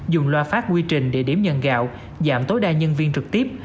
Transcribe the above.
dùng loa phát quy trình địa điểm nhận gạo giảm tối đa nhân viên trực tiếp